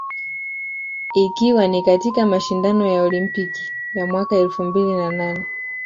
ikiwa ni katika mashindano ya olimpiki ya mwaka elfu mbili na nane